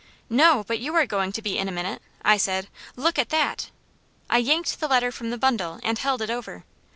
"No, but you are going to be in a minute," I said. "Look at that!" I yanked the letter from the bundle, and held it over.